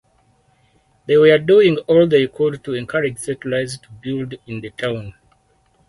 They were doing all they could to encourage settlers to build in the town.